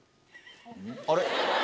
あれ？